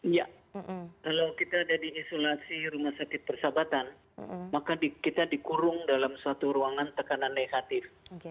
ya kalau kita ada di isolasi rumah sakit persahabatan maka kita dikurung dalam suatu ruangan tekanan negatif